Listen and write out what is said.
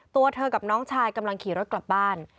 ตัวเธอกับน้องชายกำลังขี่รถกลับบ้าน